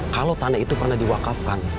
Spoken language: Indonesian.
kalau tanah itu pernah diwakafkan